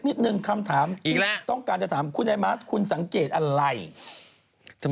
คุณอย่างผู้ชายที่น่ารักจริง